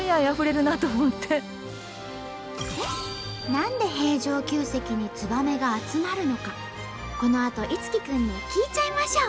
何で平城宮跡にツバメが集まるのかこのあと樹くんに聞いちゃいましょう！